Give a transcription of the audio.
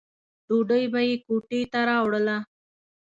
ډوډۍ به یې کوټې ته راوړله.